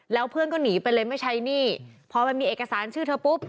แล้วเพื่อนก็หนีไปเลยไม่ใช้หนี้พอมันมีเอกสารชื่อเธอปุ๊บ